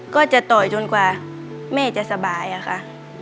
ก็จะจนกว่าจะสบายอ่ะค่ะ